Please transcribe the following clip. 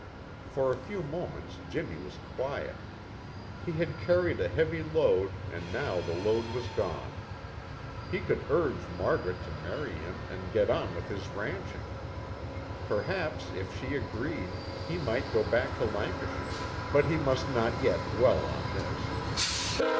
For a few moments Jimmy was quiet. He had carried a heavy load and now the load was gone. He could urge Margaret to marry him and get on with his ranching. Perhaps, if she agreed, he might go back to Lancashire, but he must not yet dwell on this.